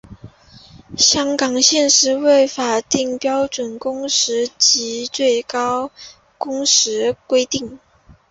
香港现时未有法定标准工时及最高工时规管。